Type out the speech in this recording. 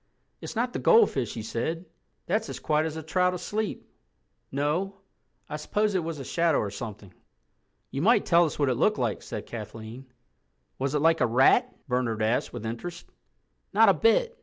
"It's not the goldfish," he said. "That's as quiet as a trout asleep. No—I suppose it was a shadow or something." "You might tell us what it looked like," said Kathleen. "Was it like a rat?" Bernard asked with interest. "Not a bit.